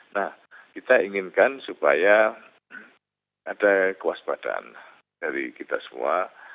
nah kita inginkan supaya ada kewaspadaan dari kita semua